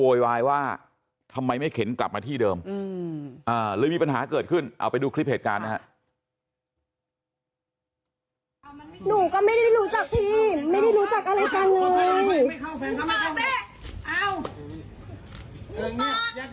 ตอนนี้ยักษ์ย้ายมึงก็เด็กรวดเซินเออมันคือกันทั้งนั้นแหละเนี่ย